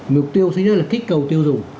mục tiêu thứ nhất là kích cầu tiêu dùng